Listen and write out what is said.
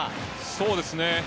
そうですね。